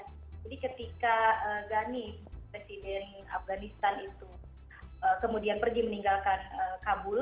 jadi ketika ghani presiden afghanistan itu kemudian pergi meninggalkan kabul